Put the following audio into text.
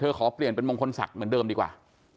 ขอเปลี่ยนเป็นมงคลศักดิ์เหมือนเดิมดีกว่า